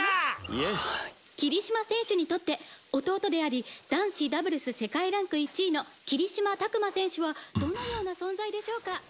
「霧島選手にとって弟であり男子ダブルス世界ランク１位の霧島琢磨選手はどのような存在でしょうか？」